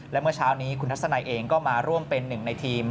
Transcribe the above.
และเมื่อเช้านี้คุณทัศนัยเองก็มาร่วมเป็นหนึ่งในทีม